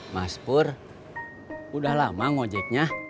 mas pur udah lama ngojeknya